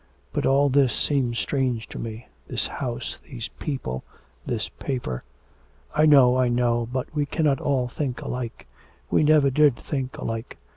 But all this seems strange to me: this house, these people, this paper.' 'I know, I know. But we cannot all think alike. We never did think alike.